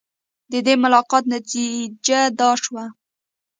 د دې ملاقات نتیجه دا شوه.